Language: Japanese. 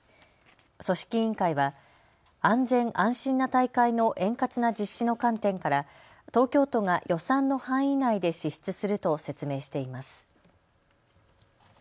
組織委員会は安全、安心な大会の円滑な実施の観点から東京都が予算の範囲内で支出すると説明しています。